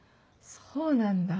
そうなんだ。